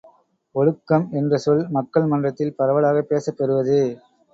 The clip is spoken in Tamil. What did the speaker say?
ஒழுக்கம் என்றசொல் மக்கள் மன்றத்தில் பரவலாகப் பேசப் பெறுவதே.